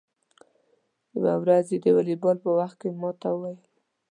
یوه ورځ یې د والیبال په وخت کې ما ته و ویل: